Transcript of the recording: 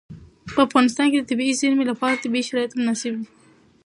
په افغانستان کې د طبیعي زیرمې لپاره طبیعي شرایط مناسب دي.